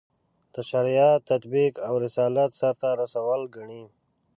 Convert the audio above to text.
د شریعت تطبیق او رسالت سرته رسول ګڼي.